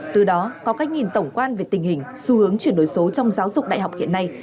từ đó có cách nhìn tổng quan về tình hình xu hướng chuyển đổi số trong giáo dục đại học hiện nay